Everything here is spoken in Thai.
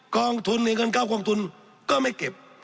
กองทุนหรือเงินเข้ากองทุนก็ไม่เก็บ